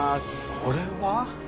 これは？